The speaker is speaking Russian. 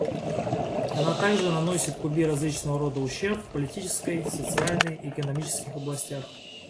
Она также наносит Кубе различного рода ущерб в политической, социальной и экономической областях.